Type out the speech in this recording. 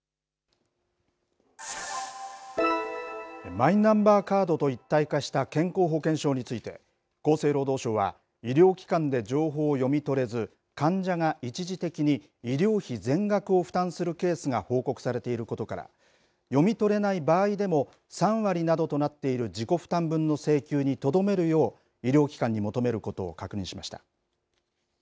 マイナンバーカードと一体化した健康保険証について厚生労働省は医療機関で情報を読み取れず患者が一時的に医療費全額を負担するケースが報告されていることから読み取れない場合でも３割などとなっている自己負担分の請求にとどめるよう医療機関に求めることを確認しました。